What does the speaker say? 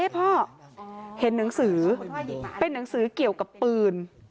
พ่อเห็นหนังสือเป็นหนังสือเกี่ยวกับปืน